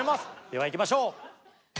ではいきましょう。